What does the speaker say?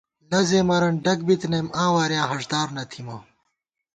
لزے مرَن ڈگ بِتِنِم آں وارِیاں ہاݭدار نہ تھِمہ